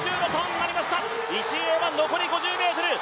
１泳は残り５０ｍ。